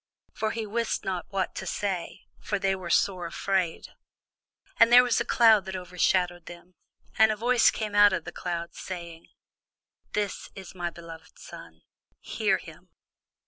For he wist not what to say; for they were sore afraid. And there was a cloud that overshadowed them: and a voice came out of the cloud, saying, This is my beloved Son: hear him.